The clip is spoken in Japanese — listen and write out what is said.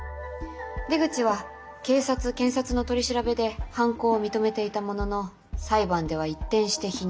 出口は警察検察の取り調べで犯行を認めていたものの裁判では一転して否認。